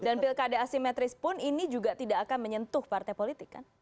dan pilkada asimetris pun ini juga tidak akan menyentuh partai politik kan